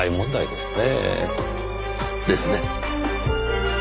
ですね。